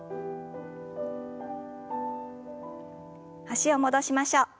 脚を戻しましょう。